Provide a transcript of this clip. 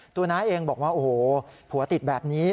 น้าเองบอกว่าโอ้โหผัวติดแบบนี้